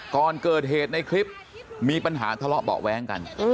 ก่อนเกิดเหตุในคลิปมีปัญหาทะเลาะเบาะแว้งกัน